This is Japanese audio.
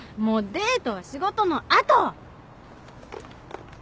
デートは仕事の後！